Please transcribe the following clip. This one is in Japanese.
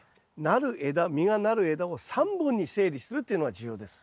なる枝実がなる枝を３本に整理するっていうのが重要です。